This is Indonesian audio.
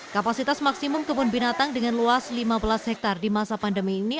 kapasitas maksimum kebun binatang dengan luas lima belas hektare di masa pandemi ini